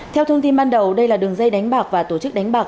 theo thông tin ban đầu đây là đường dây đánh bạc và tổ chức đánh bạc